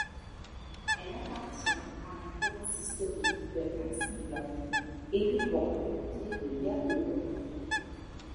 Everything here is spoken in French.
Elle appartient à la province historique du Hälsingland et dépend du comté de Gävleborg.